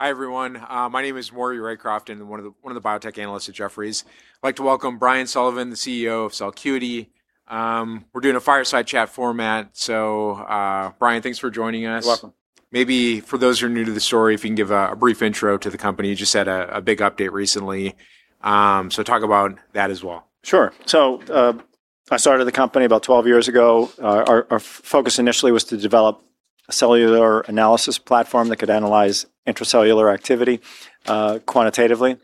Hi, everyone. My name is Maury Raycroft. I'm one of the Biotech Analysts at Jefferies. Like to welcome Brian Sullivan, the CEO of Celcuity. We're doing a fireside chat format. Brian, thanks for joining us. You're welcome. Maybe for those who are new to the story, if you can give a brief intro to the company. You just had a big update recently. Talk about that as well. Sure. I started the company about 12 years ago. Our focus initially was to develop a cellular analysis platform that could analyze intracellular activity quantitatively.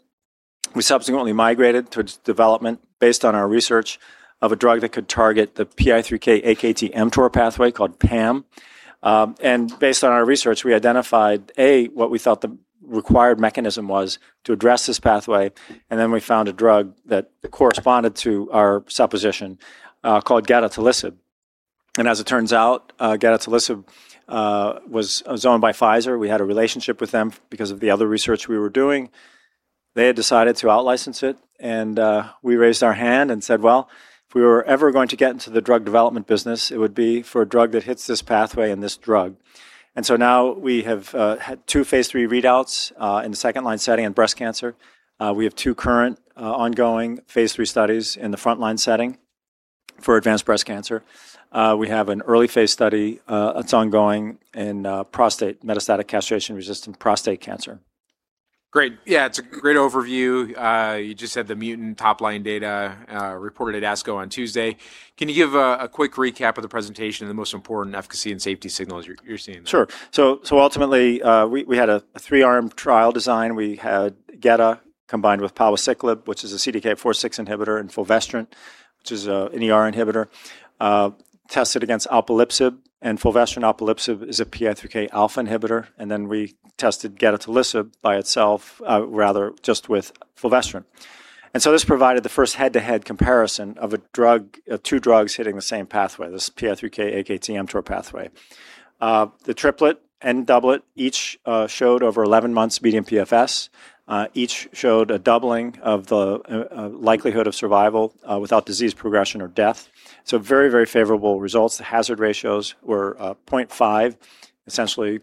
We subsequently migrated towards development based on our research of a drug that could target the PI3K/AKT/mTOR pathway called PAM. Based on our research, we identified, A, what we thought the required mechanism was to address this pathway, and then we found a drug that corresponded to our supposition, called gedatolisib. As it turns out, gedatolisib was owned by Pfizer. We had a relationship with them because of the other research we were doing. They had decided to out-license it. We raised our hand and said, "Well, if we were ever going to get into the drug development business, it would be for a drug that hits this pathway and this drug." Now we have had two phase III readouts, in the second-line setting in breast cancer. We have two current ongoing phase III studies in the frontline setting for advanced breast cancer. We have an early phase study that's ongoing in prostate metastatic castration-resistant prostate cancer. Great. Yeah, it's a great overview. You just had the mutant top-line data reported at ASCO on Tuesday. Can you give a quick recap of the presentation and the most important efficacy and safety signals you're seeing there? Ultimately, we had a 3-arm trial design. We had geda combined with palbociclib, which is a CDK4/6 inhibitor, and fulvestrant, which is an ER inhibitor, tested against alpelisib. Fulvestrant/alpelisib is a PI3Kα inhibitor. Then we tested gedatolisib by itself, rather just with fulvestrant. This provided the first head-to-head comparison of two drugs hitting the same pathway, this PI3K/AKT/mTOR pathway. The triplet and doublet each showed over 11 months median PFS. Each showed a doubling of the likelihood of survival without disease progression or death. Very, very favorable results. The hazard ratios were 0.5, essentially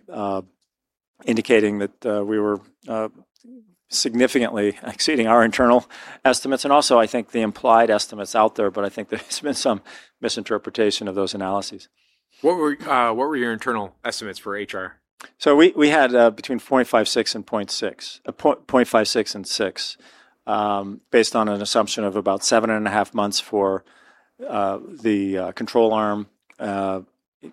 indicating that we were significantly exceeding our internal estimates. I think the implied estimates out there. I think there's been some misinterpretation of those analyses. What were your internal estimates for HR? We had between 0.56 and 6, based on an assumption of about seven and a half months for the control arm,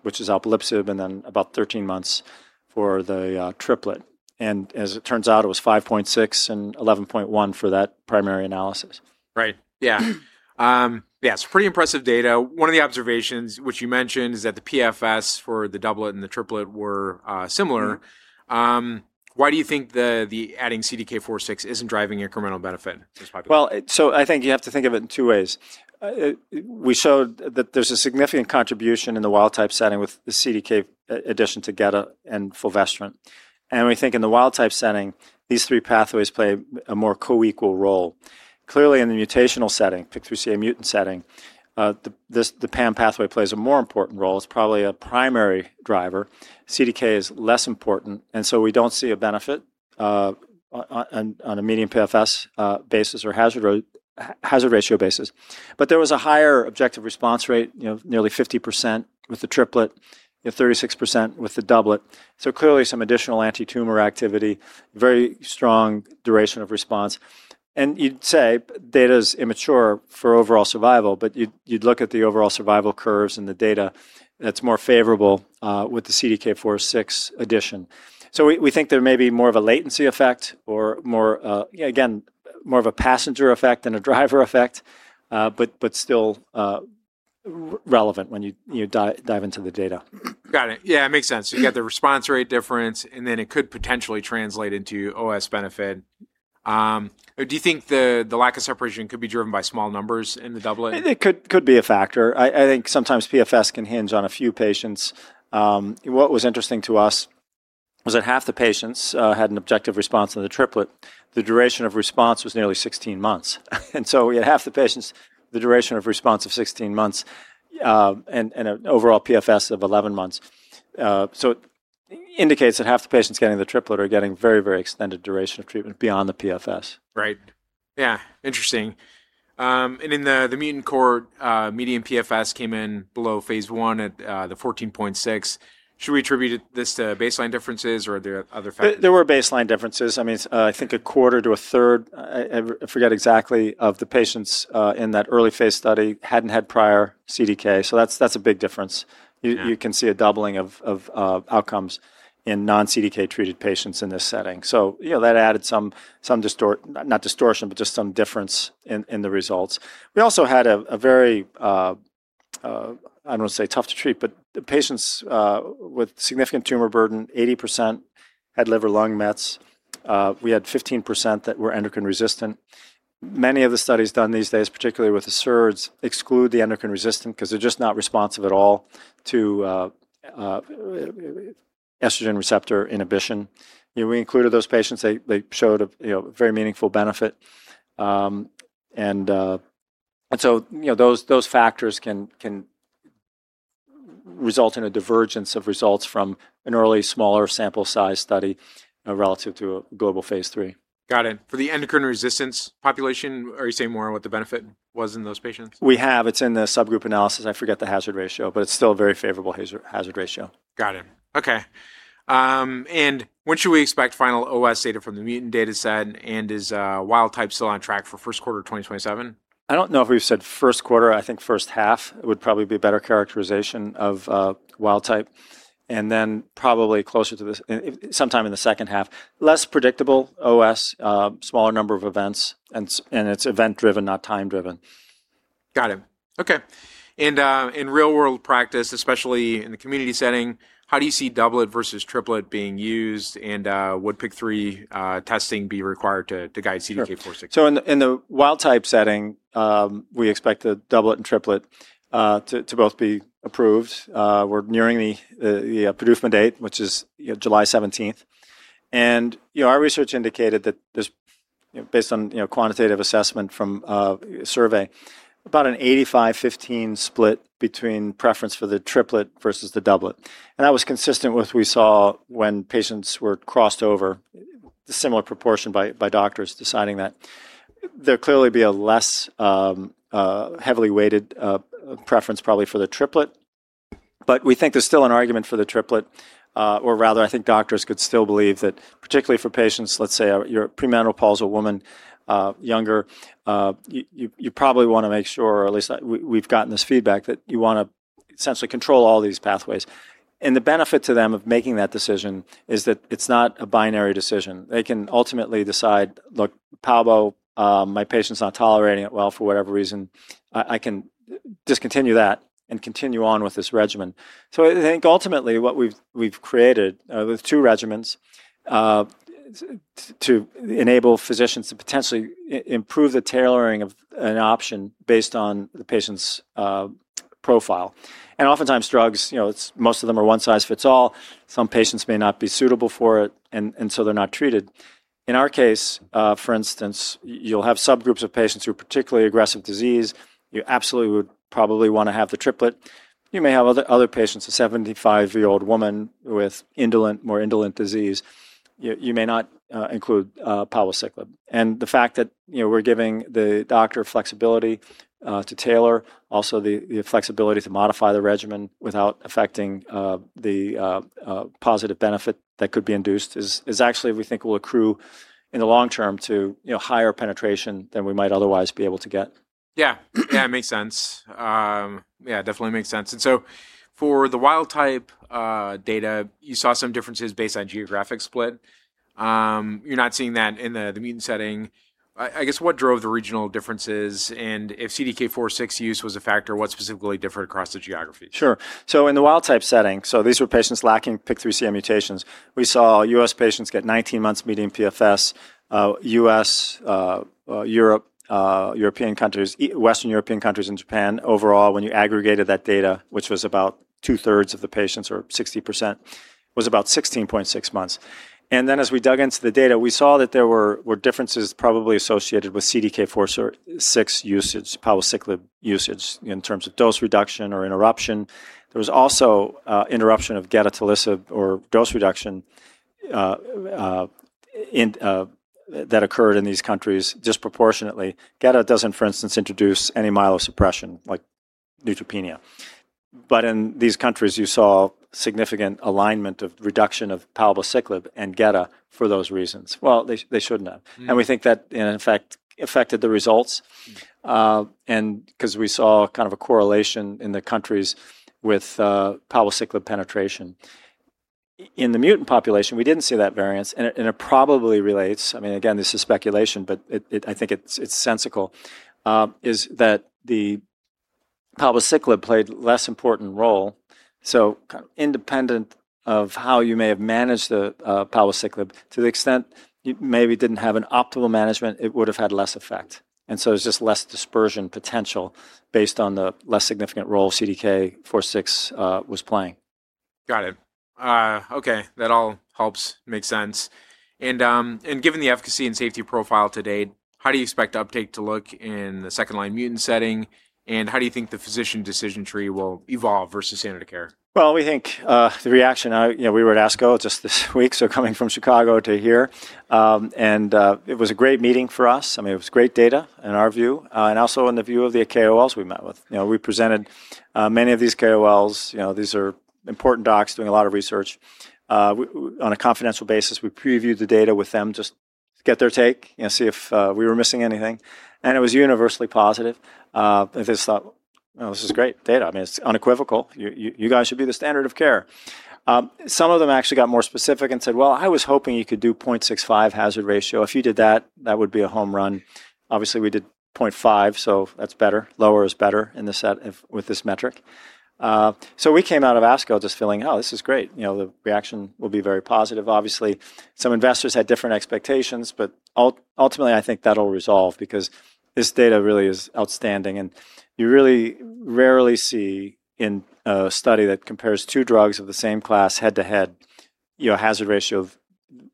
which is alpelisib, and then about 13 months for the triplet. As it turns out, it was 5.6 and 11.1 for that primary analysis. Right. Yeah. Yes, it's pretty impressive data. One of the observations which you mentioned is that the PFS for the doublet and the triplet were similar. Why do you think adding CDK4/6 isn't driving incremental benefit to this population? I think you have to think of it in two ways. We showed that there's a significant contribution in the wild-type setting with the CDK addition to geda and fulvestrant. We think in the wild-type setting, these three pathways play a more co-equal role. Clearly, in the mutational setting, PIK3CA mutant setting, the PAM pathway plays a more important role. It's probably a primary driver. CDK is less important, we don't see a benefit on a median PFS basis or hazard ratio basis. There was a higher objective response rate, nearly 50% with the triplet, 36% with the doublet. Clearly some additional anti-tumor activity, very strong duration of response. You'd say data's immature for overall survival, but you'd look at the overall survival curves and the data, that's more favorable with the CDK4/6 addition. We think there may be more of a latency effect or, again, more of a passenger effect than a driver effect. Still relevant when you dive into the data. Got it. Yeah, it makes sense. You have the response rate difference, and then it could potentially translate into OS benefit. Do you think the lack of separation could be driven by small numbers in the doublet? It could be a factor. I think sometimes PFS can hinge on a few patients. What was interesting to us was that half the patients had an objective response in the triplet. The duration of response was nearly 16 months. We had half the patients, the duration of response of 16 months, and an overall PFS of 11 months. It indicates that half the patients getting the triplet are getting very, very extended duration of treatment beyond the PFS. Right. Yeah. Interesting. In the mutant cohort, median PFS came in below phase I at the 14.6. Should we attribute this to baseline differences or are there other factors? There were baseline differences. I think a quarter to a third, I forget exactly, of the patients in that early phase study hadn't had prior CDK. That's a big difference. Yeah. You can see a doubling of outcomes in non-CDK-treated patients in this setting. That added some not distortion, but just some difference in the results. We also had a very, I don't want to say tough to treat, but the patients with significant tumor burden, 80% had liver lung mets. We had 15% that were endocrine resistant. Many of the studies done these days, particularly with the SERDs, exclude the endocrine resistant because they're just not responsive at all to estrogen receptor inhibition. We included those patients. They showed a very meaningful benefit. Those factors can result in a divergence of results from an early smaller sample size study relative to a global phase III. Got it. For the endocrine resistance population, are you saying more on what the benefit was in those patients? We have. It's in the subgroup analysis. I forget the hazard ratio, but it's still a very favorable hazard ratio. Got it. Okay. When should we expect final OS data from the mutant data set, and is wild type still on track for first quarter 2027? I don't know if we've said first quarter. I think first half would probably be a better characterization of wild type, and then probably closer to sometime in the second half. Less predictable OS, smaller number of events, and it's event-driven, not time-driven. Got it. Okay. In real-world practice, especially in the community setting, how do you see doublet versus triplet being used, and would PIK3 testing be required to guide CDK4/6? Sure. In the wild type setting, we expect the doublet and triplet to both be approved. We're nearing the PDUFA date, which is July 17th. Our research indicated that there's, based on quantitative assessment from a survey, about an 85/15 split between preference for the triplet versus the doublet. That was consistent with what we saw when patients were crossed over, a similar proportion by doctors deciding that. There'll clearly be a less heavily weighted preference probably for the triplet. We think there's still an argument for the triplet, or rather, I think doctors could still believe that, particularly for patients, let's say you're a premenopausal woman, younger, you probably want to make sure, or at least we've gotten this feedback, that you want to essentially control all these pathways. The benefit to them of making that decision is that it's not a binary decision. They can ultimately decide, look, palbo, my patient's not tolerating it well for whatever reason. I can discontinue that and continue on with this regimen. I think ultimately what we've created with two regimens, to enable physicians to potentially improve the tailoring of an option based on the patient's profile. Oftentimes drugs, most of them are one size fits all. Some patients may not be suitable for it, and so they're not treated. In our case, for instance, you'll have subgroups of patients who have particularly aggressive disease. You absolutely would probably want to have the triplet. You may have other patients, a 75-year-old woman with more indolent disease. You may not include palbociclib. The fact that we're giving the doctor flexibility to tailor, also the flexibility to modify the regimen without affecting the positive benefit that could be induced is actually, we think will accrue in the long term to higher penetration than we might otherwise be able to get. Yeah. It makes sense. Yeah, definitely makes sense. For the wild type data, you saw some differences based on geographic split. You're not seeing that in the mutant setting. I guess what drove the regional differences, and if CDK4/6 use was a factor, what specifically differed across the geographies? Sure. In the wild type setting, these were patients lacking PIK3CA mutations. We saw U.S. patients get 19 months median PFS. U.S., Europe, Western European countries, and Japan, overall, when you aggregated that data, which was about two-thirds of the patients or 60%, was about 16.6 months. As we dug into the data, we saw that there were differences probably associated with CDK4/6 usage, palbociclib usage, in terms of dose reduction or interruption. There was also interruption of gedatolisib or dose reduction that occurred in these countries disproportionately. Geda doesn't, for instance, introduce any myelosuppression like neutropenia. In these countries, you saw significant alignment of reduction of palbociclib and geda for those reasons. Well, they shouldn't have. We think that, in fact, affected the results, because we saw a correlation in the countries with palbociclib penetration. In the mutant population, we didn't see that variance, and it probably relates, again, this is speculation, but I think it's sensical, is that the palbociclib played less important role. Independent of how you may have managed the palbociclib, to the extent you maybe didn't have an optimal management, it would've had less effect. It's just less dispersion potential based on the less significant role CDK4/6 was playing. Got it. Okay. That all helps, makes sense. Given the efficacy and safety profile to date, how do you expect uptake to look in the second-line mutant setting? How do you think the physician decision tree will evolve versus standard of care? Well, we think the reaction, we were at ASCO just this week, so coming from Chicago to here. It was a great meeting for us. It was great data in our view, and also in the view of the KOLs we met with. We presented many of these KOLs. These are important docs doing a lot of research. On a confidential basis, we previewed the data with them just to get their take and see if we were missing anything, and it was universally positive. They just thought, "This is great data. It's unequivocal. You guys should be the standard of care." Some of them actually got more specific and said, "Well, I was hoping you could do 0.65 hazard ratio. If you did that would be a home run." Obviously, we did 0.5, so that's better. Lower is better with this metric. We came out of ASCO just feeling, oh, this is great. The reaction will be very positive. Obviously, some investors had different expectations, but ultimately, I think that'll resolve because this data really is outstanding, and you really rarely see in a study that compares two drugs of the same class head-to-head, a hazard ratio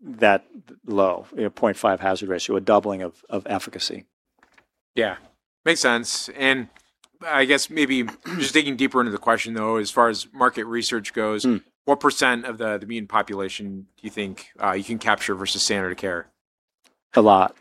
that low, 0.5 hazard ratio, a doubling of efficacy. Yeah. Makes sense. I guess maybe just digging deeper into the question, though, as far as market research goes. What percent of the mutant population do you think you can capture versus standard of care? A lot.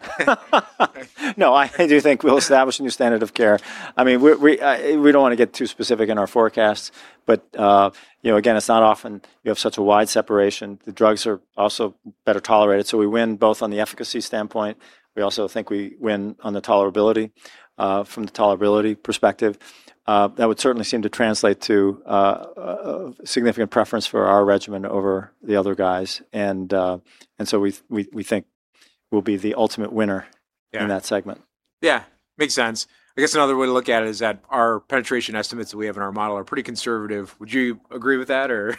No, I do think we'll establish a new standard of care. We don't want to get too specific in our forecasts, but again, it's not often you have such a wide separation. The drugs are also better tolerated, so we win both on the efficacy standpoint, we also think we win on the tolerability, from the tolerability perspective. That would certainly seem to translate to a significant preference for our regimen over the other guys. We think we'll be the ultimate winner. Yeah. In that segment. Yeah. Makes sense. I guess another way to look at it is that our penetration estimates that we have in our model are pretty conservative. Would you agree with that, or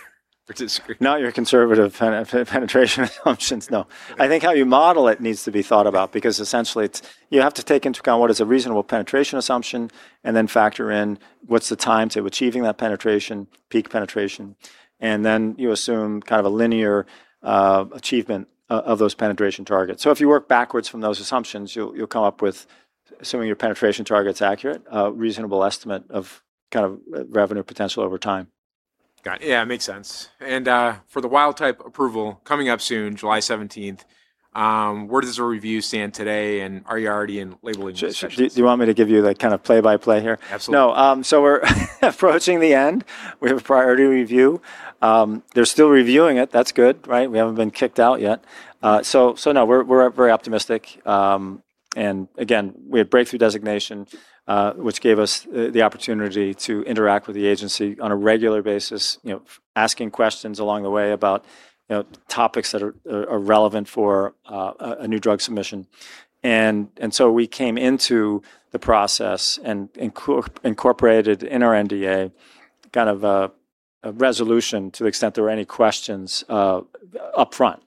disagree? No, your conservative penetration assumptions, no. I think how you model it needs to be thought about, because essentially you have to take into account what is a reasonable penetration assumption and then factor in what's the time to achieving that penetration, peak penetration, and then you assume a linear achievement of those penetration targets. If you work backwards from those assumptions, you'll come up with, assuming your penetration target's accurate, a reasonable estimate of revenue potential over time. Got it. Yeah, makes sense. For the wild type approval coming up soon, July 17th, where does the review stand today, and are you already in labeling discussions? Do you want me to give you the play-by-play here? Absolutely. No. We're approaching the end. We have a priority review. They're still reviewing it. That's good. We haven't been kicked out yet. No, we're very optimistic. Again, we have breakthrough designation, which gave us the opportunity to interact with the agency on a regular basis, asking questions along the way about topics that are relevant for a new drug submission. We came into the process and incorporated in our NDA a resolution to the extent there were any questions upfront.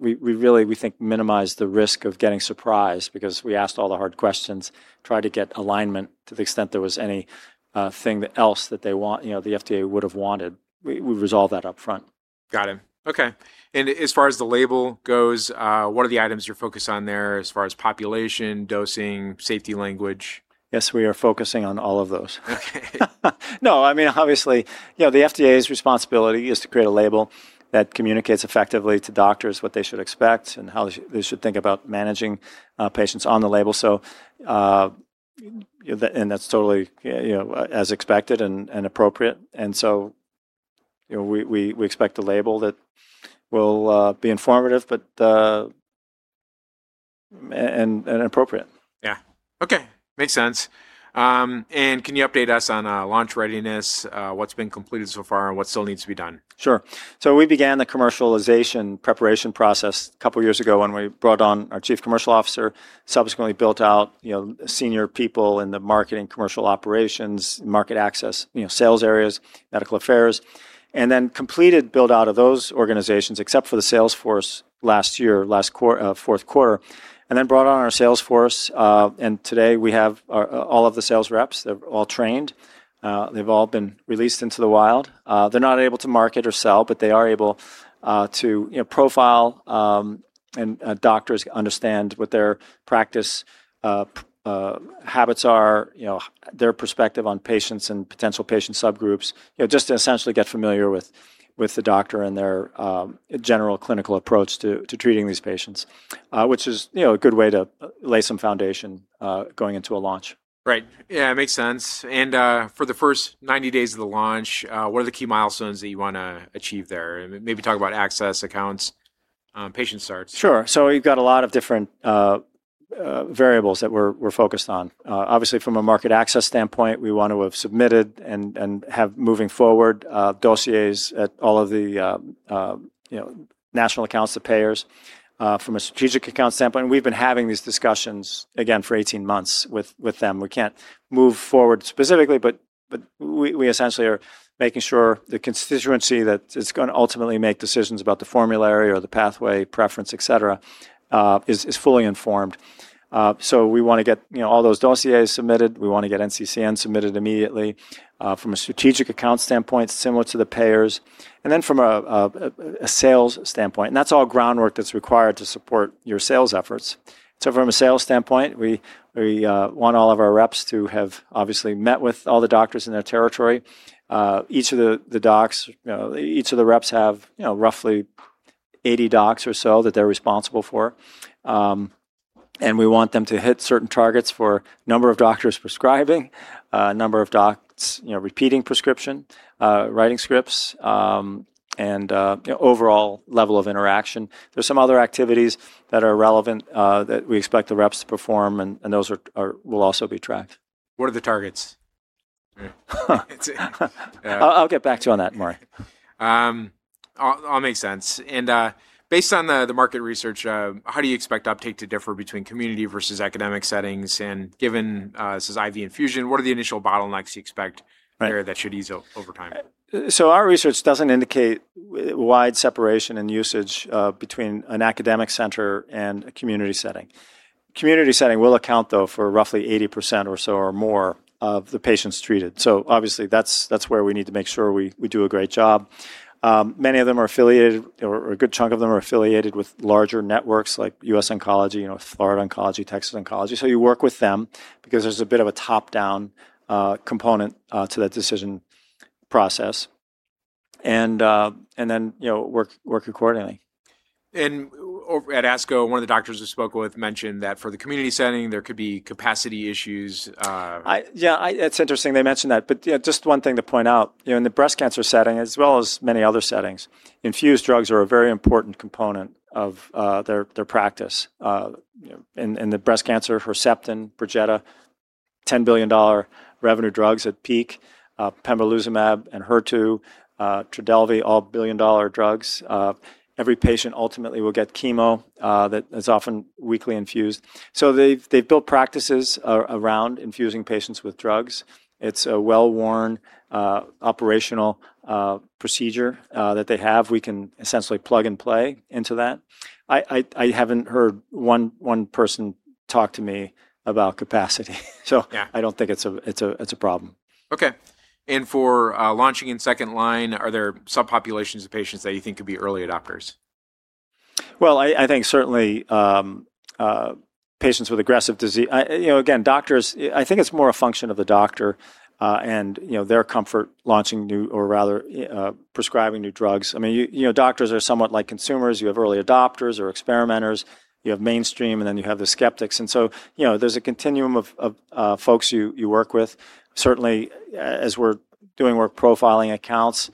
We really, we think, minimized the risk of getting surprised because we asked all the hard questions, tried to get alignment to the extent there was anything else that the FDA would've wanted. We resolved that upfront. Got it. Okay. As far as the label goes, what are the items you're focused on there as far as population, dosing, safety language? Yes, we are focusing on all of those. Okay. Obviously, the FDA's responsibility is to create a label that communicates effectively to doctors what they should expect and how they should think about managing patients on the label. That's totally as expected and appropriate. We expect a label that will be informative, and appropriate. Yeah. Okay. Makes sense. Can you update us on launch readiness, what's been completed so far, and what still needs to be done? Sure. We began the commercialization preparation process a couple of years ago when we brought on our Chief Commercial Officer, subsequently built out senior people in the marketing, commercial operations, market access, sales areas, medical affairs, and then completed build-out of those organizations, except for the sales force last year, last fourth quarter, and then brought on our sales force. Today we have all of the sales reps, they're all trained. They've all been released into the wild. They're not able to market or sell, but they are able to profile, and doctors understand what their practice habits are, their perspective on patients and potential patient subgroups, just to essentially get familiar with the doctor and their general clinical approach to treating these patients, which is a good way to lay some foundation, going into a launch. Right. Yeah, makes sense. For the first 90 days of the launch, what are the key milestones that you want to achieve there? Maybe talk about access, accounts, patient starts. Sure. You've got a lot of different variables that we're focused on. Obviously, from a market access standpoint, we want to have submitted and have moving forward dossiers at all of the national accounts, the payers. From a strategic account standpoint, we've been having these discussions, again, for 18 months with them. We can't move forward specifically, but we essentially are making sure the constituency that is going to ultimately make decisions about the formulary or the pathway preference, et cetera, is fully informed. We want to get all those dossiers submitted. We want to get NCCN submitted immediately. From a strategic account standpoint, similar to the payers. From a sales standpoint, that's all groundwork that's required to support your sales efforts. From a sales standpoint, we want all of our reps to have obviously met with all the doctors in their territory. Each of the reps have roughly 80 docs or so that they're responsible for. We want them to hit certain targets for number of doctors prescribing, number of docs repeating prescription, writing scripts, and overall level of interaction. There's some other activities that are relevant that we expect the reps to perform, and those will also be tracked. What are the targets? I'll get back to you on that, Maury. All makes sense. Based on the market research, how do you expect uptake to differ between community versus academic settings? Given this is IV infusion, what are the initial bottlenecks you expect? Right. There that should ease over time? Our research doesn't indicate wide separation in usage between an academic center and a community setting. Community setting will account, though, for roughly 80% or so or more of the patients treated. Obviously that's where we need to make sure we do a great job. A good chunk of them are affiliated with larger networks like US Oncology, Florida Oncology, Texas Oncology. You work with them because there's a bit of a top-down component to that decision process. Work accordingly. Over at ASCO, one of the doctors we spoke with mentioned that for the community setting, there could be capacity issues. Yeah. It's interesting they mentioned that. Yeah, just one thing to point out. In the breast cancer setting as well as many other settings, infused drugs are a very important component of their practice. In the breast cancer, Herceptin, PERJETA, $10 billion revenue drugs at peak, pembrolizumab and HER2, TRODELVY, all billion-dollar drugs. Every patient ultimately will get chemo, that is often weekly infused. They've built practices around infusing patients with drugs. It's a well-worn operational procedure that they have. We can essentially plug and play into that. I haven't heard one person talk to me about capacity. Yeah. I don't think it's a problem. Okay. For launching in second line, are there subpopulations of patients that you think could be early adopters? Well, I think certainly, patients with aggressive disease. Again, doctors, I think it's more a function of the doctor, and their comfort launching new or rather, prescribing new drugs. Doctors are somewhat like consumers. You have early adopters or experimenters. You have mainstream, and then you have the skeptics. There's a continuum of folks you work with. Certainly, as we're doing work profiling accounts,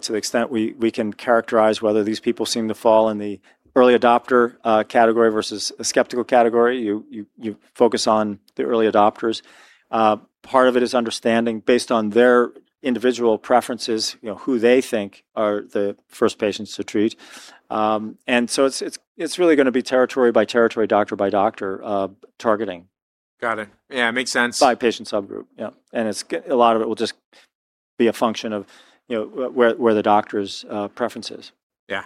to the extent we can characterize whether these people seem to fall in the early adopter category versus a skeptical category, you focus on the early adopters. Part of it is understanding, based on their individual preferences, who they think are the first patients to treat. It's really going to be territory by territory, doctor by doctor targeting. Got it. Yeah, makes sense. By patient subgroup. Yep. A lot of it will just be a function of where the doctor's preference is. Yeah.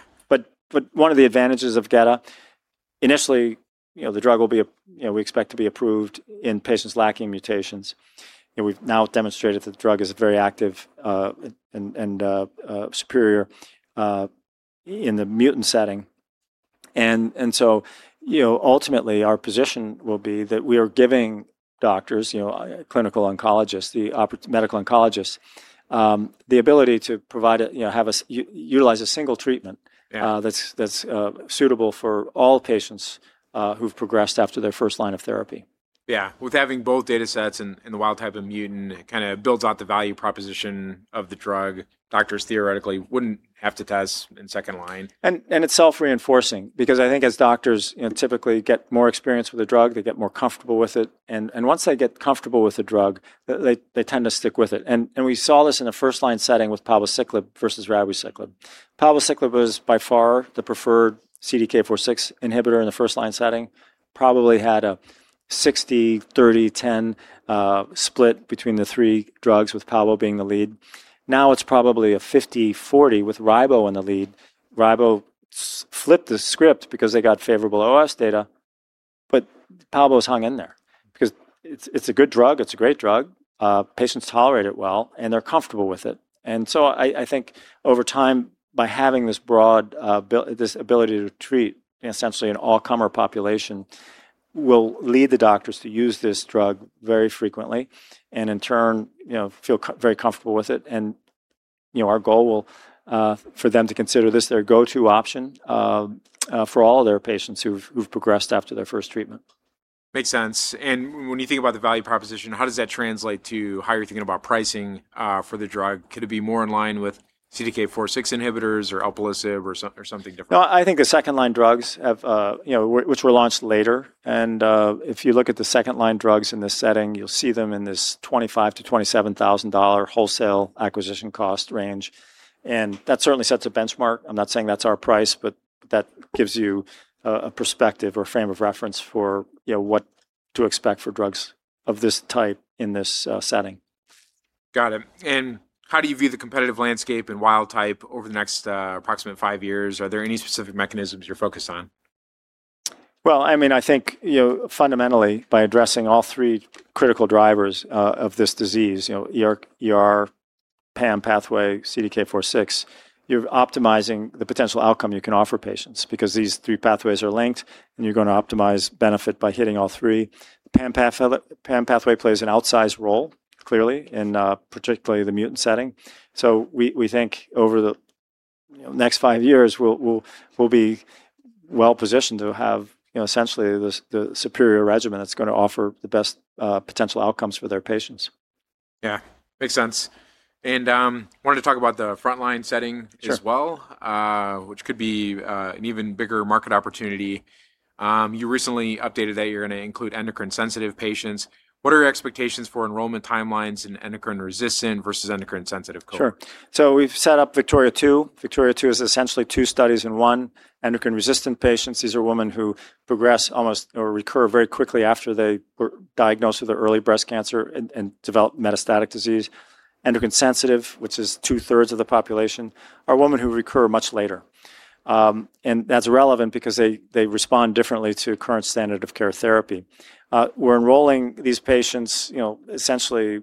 One of the advantages of geda, initially the drug, we expect to be approved in patients lacking mutations, and we've now demonstrated that the drug is very active and superior in the mutant setting. Ultimately, our position will be that we are giving doctors, clinical oncologists, the medical oncologists, the ability to utilize a single treatment. Yeah. That's suitable for all patients who've progressed after their first line of therapy. With having both data sets in the wild-type and mutant, it builds out the value proposition of the drug. Doctors theoretically wouldn't have to test in second-line. It's self-reinforcing because I think as doctors typically get more experience with a drug, they get more comfortable with it. Once they get comfortable with the drug, they tend to stick with it. We saw this in a first-line setting with palbociclib versus ribociclib. Palbociclib was by far the preferred CDK4/6 inhibitor in the first-line setting. Probably had a 60-30-10 split between the three drugs, with palbo being the lead. Now it's probably a 50-40 with ribo in the lead. Ribo flipped the script because they got favorable OS data, but palbo's hung in there because it's a good drug. It's a great drug. Patients tolerate it well, and they're comfortable with it. I think over time, by having this ability to treat essentially an all-comer population, will lead the doctors to use this drug very frequently, and in turn feel very comfortable with it. Our goal for them to consider this their go-to option for all their patients who've progressed after their first treatment. Makes sense. When you think about the value proposition, how does that translate to how you're thinking about pricing for the drug? Could it be more in line with CDK4/6 inhibitors or alpelisib or something different? No, I think the second-line drugs which were launched later, and if you look at the second-line drugs in this setting, you'll see them in this $25,000-$27,000 wholesale acquisition cost range. That certainly sets a benchmark. I'm not saying that's our price, but that gives you a perspective or frame of reference for what to expect for drugs of this type in this setting. Got it. How do you view the competitive landscape and wild type over the next approximate five years? Are there any specific mechanisms you're focused on? Well, I think fundamentally, by addressing all three critical drivers of this disease, ER, PAM pathway, CDK4/6, you're optimizing the potential outcome you can offer patients because these three pathways are linked, and you're going to optimize benefit by hitting all three. PAM pathway plays an outsized role, clearly, in particularly the mutant setting. We think over the next five years, we'll be well-positioned to have essentially the superior regimen that's going to offer the best potential outcomes for their patients. Yeah. Makes sense. Wanted to talk about the frontline setting as well. Sure. Which could be an even bigger market opportunity. You recently updated that you're going to include endocrine sensitive patients. What are your expectations for enrollment timelines in endocrine resistant versus endocrine sensitive cohort? Sure. We've set up VIKTORIA-2. VIKTORIA-2 is essentially two studies in one. Endocrine resistant patients, these are women who progress almost or recur very quickly after they were diagnosed with early breast cancer and develop metastatic disease. Endocrine sensitive, which is two-thirds of the population, are women who recur much later. That's relevant because they respond differently to current standard of care therapy. We're enrolling these patients essentially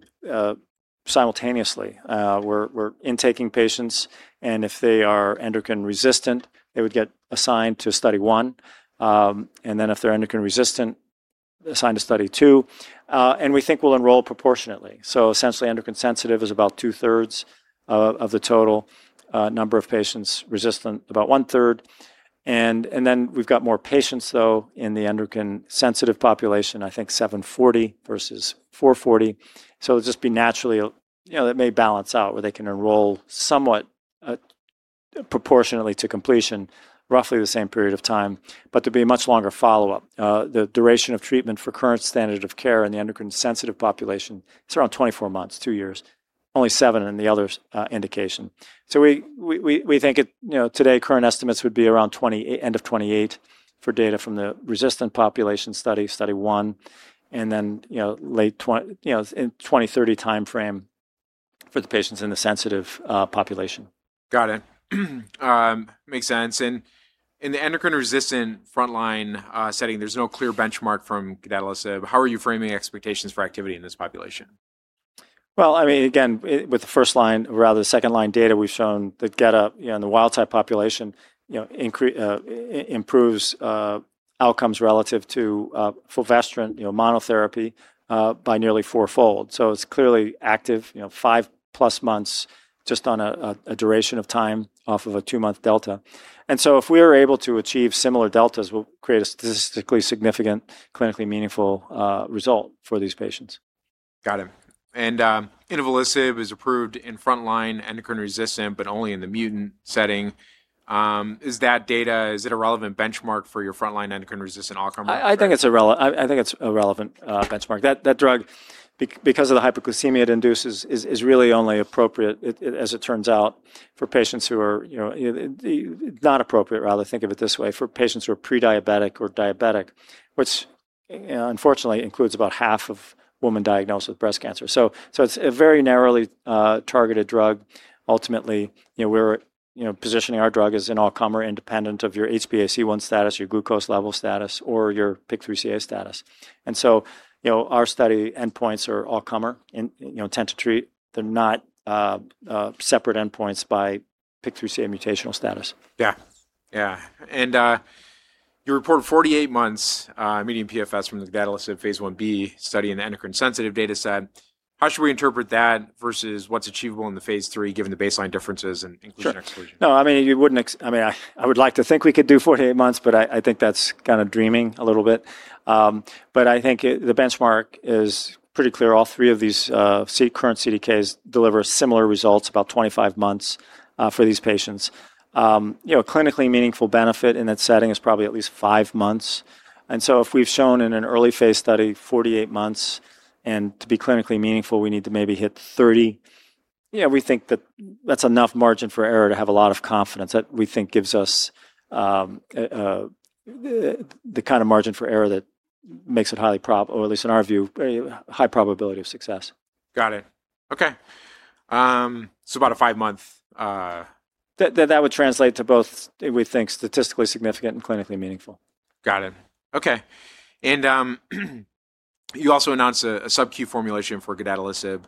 simultaneously. We're intaking patients. If they are endocrine resistant, they would get assigned to study 1. If they're endocrine resistant, assigned to study 2, we think we'll enroll proportionately. Essentially endocrine sensitive is about two-thirds of the total number of patients. Resistant, about one-third. We've got more patients, though, in the endocrine sensitive population, I think 740 versus 440. It'll just be naturally, that may balance out where they can enroll somewhat proportionately to completion, roughly the same period of time. There'll be a much longer follow-up. The duration of treatment for current standard of care in the endocrine sensitive population, it's around 24 months, two years. Only seven in the other indication. We think today current estimates would be around end of 2028 for data from the resistant population study one, and then in 2030 timeframe for the patients in the sensitive population. Got it. Makes sense. In the endocrine resistant frontline setting, there's no clear benchmark from gedatolisib. How are you framing expectations for activity in this population? Well, again, with the first line, rather the second line data we've shown the data in the wild type population improves outcomes relative to fulvestrant monotherapy by nearly four-fold. It's clearly active 5+ months just on a duration of time off of a two-month delta. If we are able to achieve similar deltas, we'll create a statistically significant, clinically meaningful result for these patients. Got it. Inavolisib is approved in frontline endocrine resistant, but only in the mutant setting. Is that data a relevant benchmark for your frontline endocrine resistant all-comer? I think it's a relevant benchmark. That drug, because of the hypoglycemia it induces, is really only appropriate, as it turns out, for patients who are pre-diabetic or diabetic. Which unfortunately includes about half of women diagnosed with breast cancer. It's a very narrowly targeted drug. Ultimately, we're positioning our drug as an all-comer independent of your HbA1c status, your glucose level status, or your PIK3CA status. Our study endpoints are all-comer, intent to treat. They're not separate endpoints by PIK3CA mutational status. Yeah. You report 48 months median PFS from the gedatolisib phase I-B study in the endocrine sensitive data set. How should we interpret that versus what's achievable in the phase III, given the baseline differences and inclusion/exclusion? No, I would like to think we could do 48 months, I think that's dreaming a little bit. I think the benchmark is pretty clear. All three of these current CDKs deliver similar results, about 25 months for these patients. Clinically meaningful benefit in that setting is probably at least five months. If we've shown in an early phase study 48 months, and to be clinically meaningful, we need to maybe hit 30, we think that that's enough margin for error to have a lot of confidence. We think gives us the kind of margin for error that makes it highly probable, or at least in our view, very high probability of success. Got it. Okay. About a five-month- That would translate to both, we think, statistically significant and clinically meaningful. Got it. Okay. You also announced a subcu formulation for gedatolisib.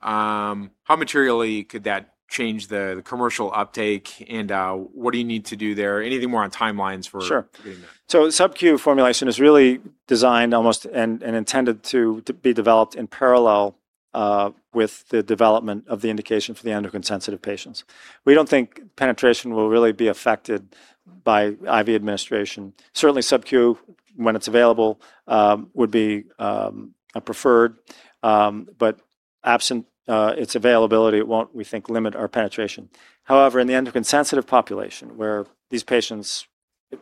How materially could that change the commercial uptake, and what do you need to do there? Anything more on timelines for? Sure. Getting there? Subcu formulation is really designed almost and intended to be developed in parallel with the development of the indication for the endocrine sensitive patients. We don't think penetration will really be affected by IV administration. Certainly subcu, when it's available, would be preferred. Absent its availability, it won't, we think, limit our penetration. However, in the endocrine sensitive population, where these patients,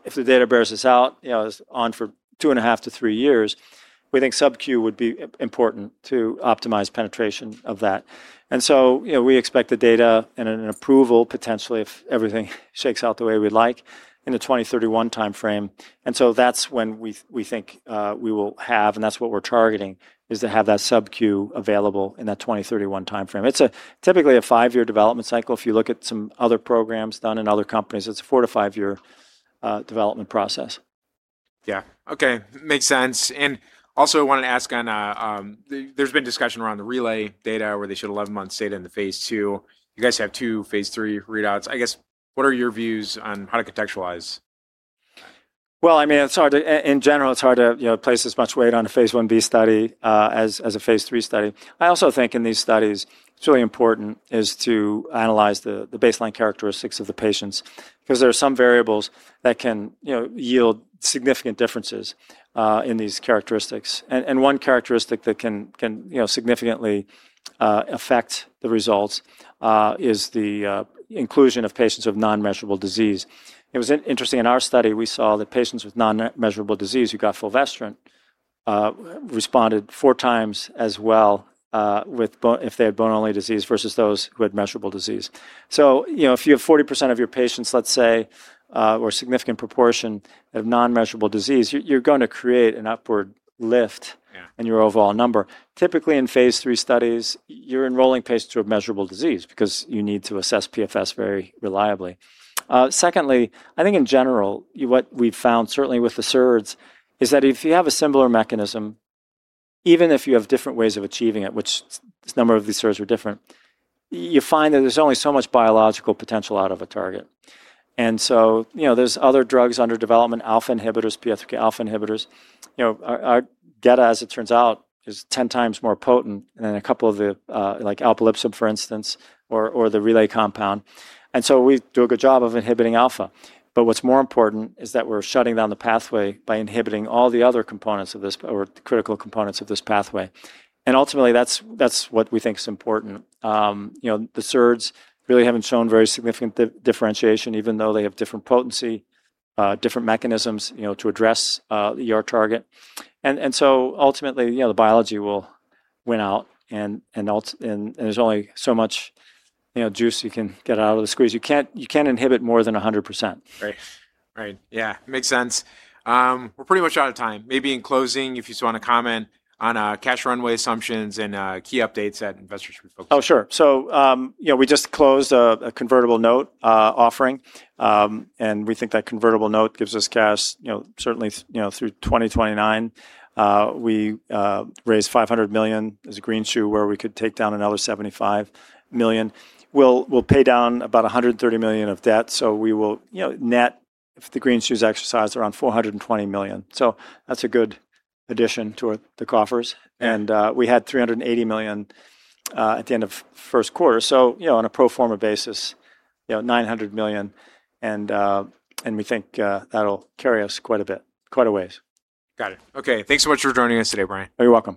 if the data bears this out, is on for two and a half to three years, we think subcu would be important to optimize penetration of that. We expect the data and an approval, potentially, if everything shakes out the way we'd like, in the 2031 timeframe. That's when we think we will have, and that's what we're targeting, is to have that subcu available in that 2031 timeframe. It's typically a five-year development cycle. You look at some other programs done in other companies, it's a four- to five-year development process. Yeah. Okay. Makes sense. Also wanted to ask on, there's been discussion around the Relay data, where they showed 11 months data in the phase II. You guys have two phase III readouts. I guess, what are your views on how to contextualize? Well, in general, it's hard to place as much weight on a phase I-B study as a phase III study. I also think in these studies, it's really important is to analyze the baseline characteristics of the patients because there are some variables that can yield significant differences in these characteristics. One characteristic that can significantly affect the results is the inclusion of patients with non-measurable disease. It was interesting, in our study, we saw that patients with non-measurable disease who got fulvestrant responded four times as well if they had bone-only disease versus those who had measurable disease. If you have 40% of your patients, let's say, or a significant proportion, have non-measurable disease, you're going to create an upward lift. Yeah. In your overall number. Typically, in phase III studies, you're enrolling patients who have measurable disease because you need to assess PFS very reliably. Secondly, I think in general, what we've found, certainly with the SERDs, is that if you have a similar mechanism, even if you have different ways of achieving it, which a number of these SERDs are different, you find that there's only so much biological potential out of a target. There's other drugs under development, alpha inhibitors, PI3Kα inhibitors. Our data, as it turns out, is 10 times more potent than a couple of the, like alpelisib, for instance, or the Relay compound. We do a good job of inhibiting alpha. What's more important is that we're shutting down the pathway by inhibiting all the other critical components of this pathway. Ultimately, that's what we think is important. The SERDs really haven't shown very significant differentiation, even though they have different potency, different mechanisms to address your target. Ultimately, the biology will win out, and there's only so much juice you can get out of the squeeze. You can't inhibit more than 100%. Right. Yeah. Makes sense. We're pretty much out of time. Maybe in closing, if you just want to comment on cash runway assumptions and key updates that investors should focus on. Oh, sure. We just closed a convertible note offering. We think that convertible note gives us cash, certainly through 2029. We raised $500 million has a greenshoe, where we could take down another $75 million. We'll pay down about $130 million of debt, we will net, if the greenshoe's exercised, around $420 million. That's a good addition to the coffers. We had $380 million at the end of first quarter. On a pro forma basis, $900 million, we think that'll carry us quite a ways. Got it. Okay. Thanks so much for joining us today, Brian. Oh, you're welcome.